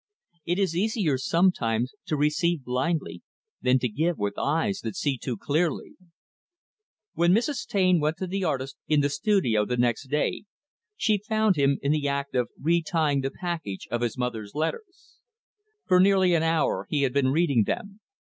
It is easier, sometimes, to receive blindly, than to give with eyes that see too clearly. When Mrs. Taine went to the artist, in the studio, the next day, she found him in the act of re tying the package of his mother's letters. For nearly an hour, he had been reading them.